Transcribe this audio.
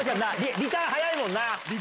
リターン速いな。